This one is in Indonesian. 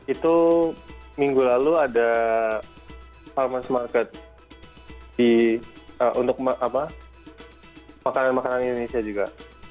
itu minggu lalu ada farmer's market di untuk apa makanan makanan indonesia juga